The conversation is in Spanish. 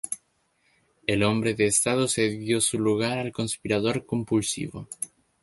El hombre de Estado cedió su lugar al conspirador compulsivo".